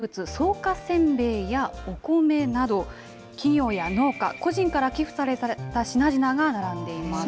冷凍食品や納豆、地元の名物、草加せんべいやお米など、企業や農家、個人から寄付された品々が並んでいます。